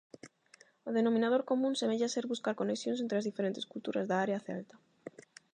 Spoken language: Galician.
O denominador común semella ser buscar conexións entre as diferentes culturas da área celta.